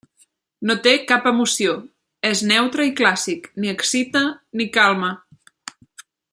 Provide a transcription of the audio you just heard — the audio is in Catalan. No té cap emoció, és neutre i clàssic, ni excita ni calma.